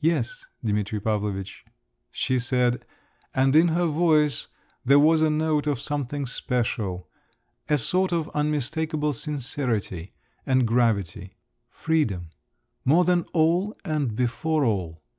"Yes, Dimitri Pavlovitch," she said, and in her voice there was a note of something special, a sort of unmistakable sincerity and gravity, "freedom, more than all and before all.